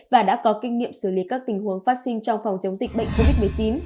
và đã có kinh nghiệm xử lý các tình huống phát sinh trong phòng chống dịch bệnh covid một mươi chín